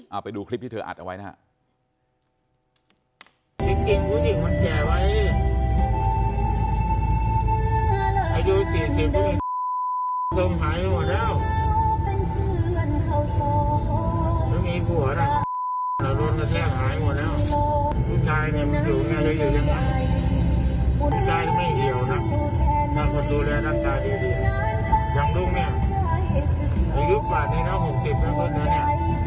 เอาไปดูคลิปที่เธออัดเอาไว้นะครับ